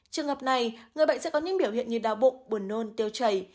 trường hợp này người bệnh sẽ có những biểu hiện như đau bụng buồn nôn tiêu chảy